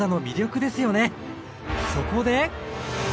そこで！